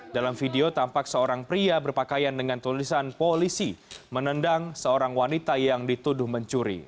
dalam video tampak seorang pria berpakaian dengan tulisan polisi menendang seorang wanita yang dituduh mencuri